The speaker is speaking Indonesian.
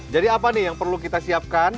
jadi apa nih yang perlu kita siapkan